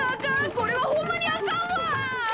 これはホンマにあかんわ！